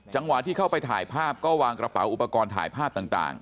ที่เข้าไปถ่ายภาพก็วางกระเป๋าอุปกรณ์ถ่ายภาพต่าง